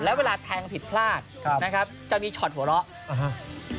แล้วเวลาแทงผิดพลาดครับนะครับจะมีช็อตหัวเราะอ่าฮะ